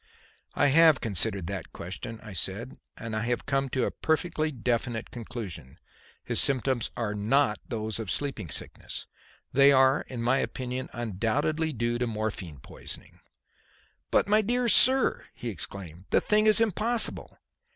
"I have considered that question," I said, "and have come to a perfectly definite conclusion. His symptoms are not those of sleeping sickness. They are in my opinion undoubtedly due to morphine poisoning." "But my dear sir!" he exclaimed, "the thing is impossible!